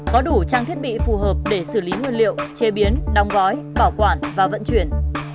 có đủ trang thiết bị phù hợp để xử lý nguyên liệu chế biến đóng gói bảo quản và vận chuyển